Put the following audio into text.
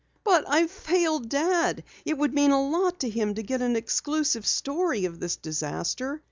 "But I've failed Dad. It would mean a lot to him to get an exclusive story of this disaster.